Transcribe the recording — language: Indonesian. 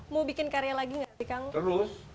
mau bikin karya lagi gak sih kang